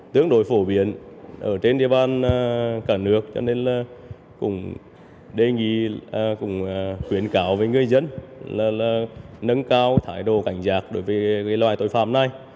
tương đối phổ biến ở trên địa bàn cả nước cho nên cũng đề nghị cũng khuyến cáo với người dân là nâng cao thái độ cảnh giác đối với loài tội phạm này